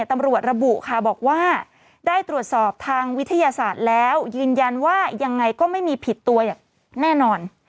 ตำรวจระบุค่ะบอกว่าได้ตรวจสอบทางวิทยาศาสตร์แล้วยืนยันว่ายังไงก็ไม่มีผิดตัวอย่างแน่นอน